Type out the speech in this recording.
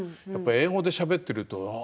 英語でしゃべっていると。